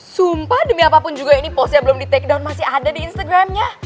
sumpah demi apapun juga ini pos yang belum di take down masih ada di instagramnya